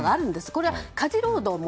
これは家事労働も